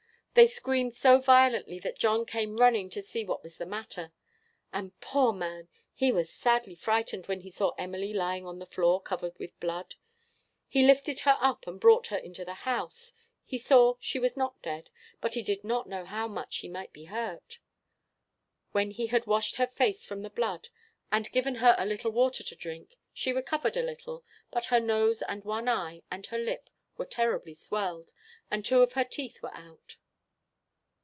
They screamed so violently that John came running to see what was the matter; and, poor man! he was sadly frightened when he saw Emily lying on the floor covered with blood. He lifted her up and brought her into the house; he saw she was not dead, but he did not know how much she might be hurt. When he had washed her face from the blood, and given her a little water to drink, she recovered a little; but her nose and one eye, and her lip, were terribly swelled, and two of her teeth were out.